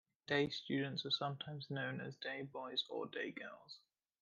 Day students are sometimes known as day boys or day girls.